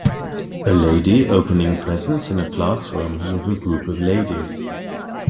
A lady opening presents in a classroom with a group of ladies